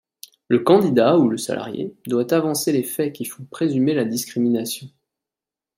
Le candidat ou le salarié doit avancer les faits qui font présumer la discrimination.